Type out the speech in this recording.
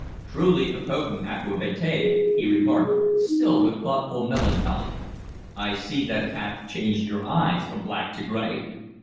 "Truly a potent aqua vitae," he remarked, still with thoughtful melancholy. "I see that it hath changed your eyes from black to gray."